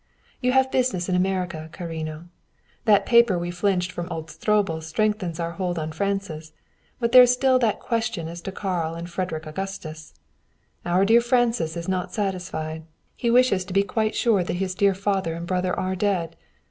You have business in America, carino. That paper we filched from old Stroebel strengthens our hold on Francis; but there is still that question as to Karl and Frederick Augustus. Our dear Francis is not satisfied. He wishes to be quite sure that his dear father and brother are dead.